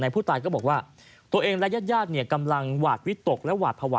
ผู้ตายก็บอกว่าตัวเองและญาติกำลังหวาดวิตกและหวาดภาวะ